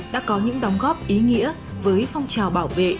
đã có những đóng góp ý nghĩa với phong trào bảo vệ